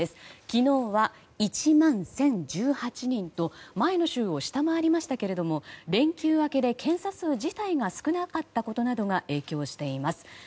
昨日は１万１０１８人と前の週を下回りましたが連休明けで検査数自体が少なかったことなどが影響しています。